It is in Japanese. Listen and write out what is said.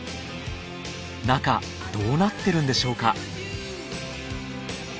中どうなってるんでしょうか？